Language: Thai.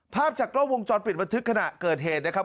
ภาพจากกล้องวงจรปิดบันทึกขณะเกิดเหตุนะครับ